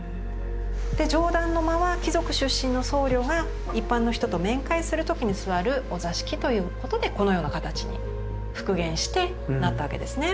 で上段の間は貴族出身の僧侶が一般の人と面会する時に座るお座敷ということでこのような形に復元してなったわけですね。